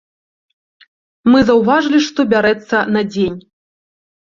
Мы заўважылі, што бярэцца на дзень.